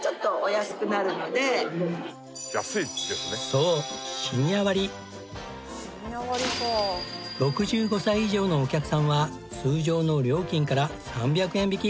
そう６５歳以上のお客さんは通常の料金から３００円引き。